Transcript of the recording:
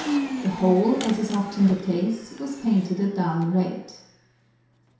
The whole, as is often the case, was painted a dull red.